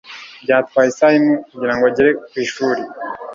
Byatwaye isaha imwe kugirango agere ku ishuri.